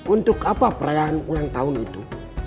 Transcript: untuk apa perayaan ulang tahun itu